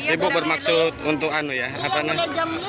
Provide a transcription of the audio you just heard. ibu bermaksud untuk jam lima tadi